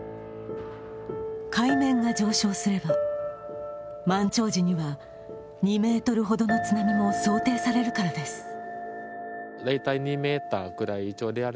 海面が上昇すれば、満潮時には２ｍほどの津波も想定されるからです。